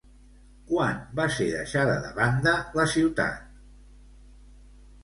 Quan va ser deixada de banda la ciutat?